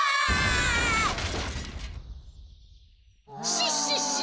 シッシッシッシ。